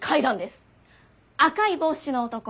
赤い帽子の男